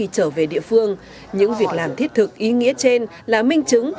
trở về địa phương những việc làm thiết thực ý nghĩa trên là minh chứng